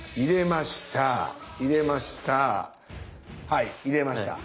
はい入れました。